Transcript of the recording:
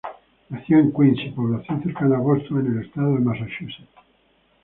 Nació en Quincy, población cercana a Boston, en el estado de Massachusetts.